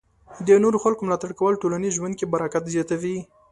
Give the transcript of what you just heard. د نورو خلکو ملاتړ کول ټولنیز ژوند کې برکت زیاتوي.